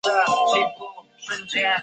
抗日战争期间参与创建民盟。